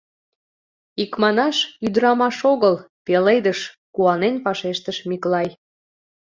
— Икманаш, ӱдрамаш огыл — пеледыш! — куанен вашештыш Миклай.